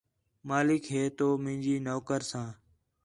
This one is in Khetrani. مالک ہے تو مینجے نوکر ساں